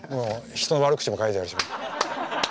人の悪口も書いてあるし。